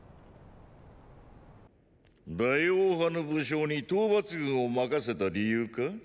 大王派の武将に討伐軍を任せた理由か。